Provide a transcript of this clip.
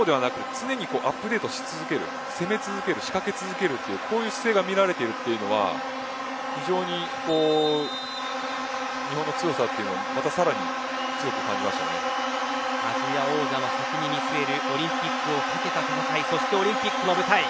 常にアップデートし続ける、攻め続ける仕掛け続けるという姿勢が見られているというのは非常に日本の強さというのをまたさらにアジア王者の先に見据えるオリンピックを懸けた戦いそしてオリンピックの舞台。